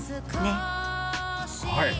はい！